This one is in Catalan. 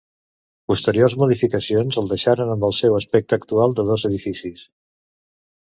Posteriors modificacions el deixaren amb el seu aspecte actual de dos edificis.